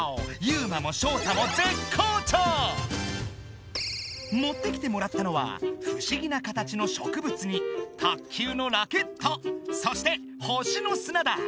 ユウマもショウタももってきてもらったのは不思議な形の植物に卓球のラケットそして星の砂だ。